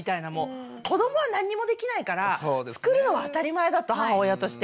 子どもは何にもできないから作るのは当たり前だと母親として。